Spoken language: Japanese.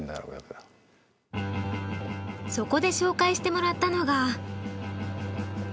そこで紹介してもらったのが。